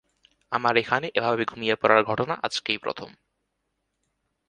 আমার এখানে এভাবে ঘুমিয়ে পড়ার ঘটনা আজকেই প্রথম।